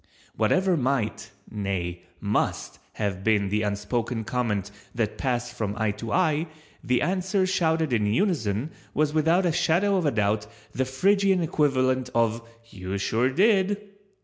—whatever might—nay, must have been the unspoken comment that passed from eye to eye, the answer shouted in unison, was without a shadow of a doubt the Phrygian equivalent of "You sure did!"